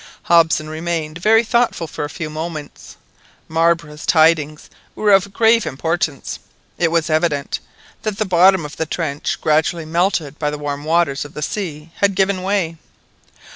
Hobson remained very thoughtful for a few moments. Marbre's tidings were of grave importance. It was evident that the bottom of the trench, gradually melted by the warm waters of the sea, had given way.